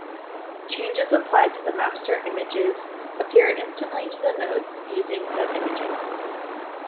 Changes applied to the master images appear instantly to the nodes using said images.